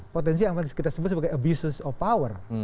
potensi yang tadi kita sebut sebagai abuses of power